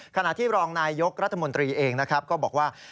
ขณะที่รองนายยกรัฐมนตรีเองนะครับก็บอกว่า